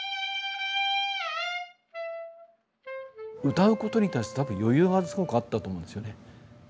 歌うことに対して多分余裕はすごくあったと思うんですよね。